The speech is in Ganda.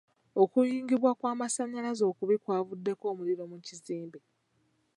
Okuyungibwa kw'amasannyalaze okubi kwavuddeko omuliro mu kizimbe.